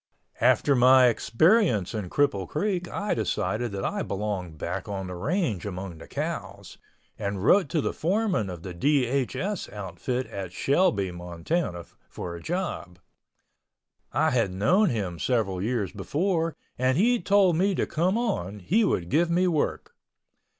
After my experience in Cripple Creek I decided that I belonged back on the range among the cows, and wrote to the foreman of the DHS outfit at Shelby, Montana, for a job. I had known him several years before and he told me to come on, he would give me work.